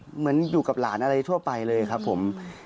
เหมือนกับอยู่กับหลานอะไรทั่วไปเลยครับผม